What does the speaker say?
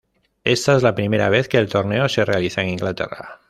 Esta es la primera vez que el torneo se realiza en Inglaterra.